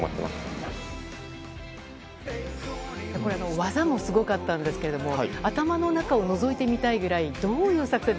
技もすごかったんですが頭の中をのぞいてみたいくらいどういう作戦で。